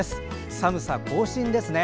寒さ更新ですね。